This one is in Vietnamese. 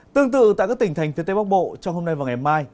tương tự tại các tỉnh thành phía tây bắc bộ trong hôm nay và ngày mai